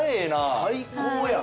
最高やん。